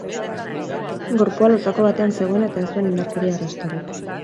Gorpua lozaku batean zegoen eta ez zuen indarkeria arrastorik.